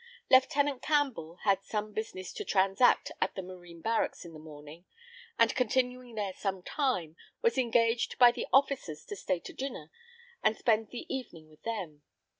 Lieutenant Campbell had some business to transact at the Marine barracks in the morning, and continuing there some time, was engaged by the officers to stay to dinner and spend the evening with them.